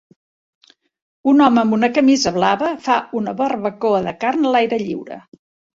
Un home amb una camisa blava fa una barbacoa de carn a l'aire lliure.